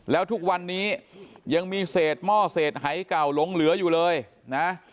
แล้วทุกวันนี้ยังมีเศษหม้อเศษหายเก่าหลงเหลืออยู่เลยนะ